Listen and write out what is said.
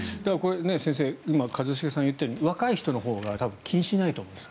先生、今一茂さんが言ったように若い人のほうが気にしないと思うんです。